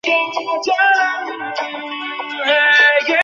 কিন্তু এটা জুজুৎসু জগতের ভবিষ্যতের স্বার্থে।